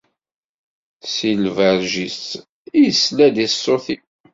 Si lberǧ-is, isla-d i ṣṣut-iw.